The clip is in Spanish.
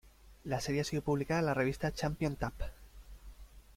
La serie ha sido publicada en la revista "Champion Tap!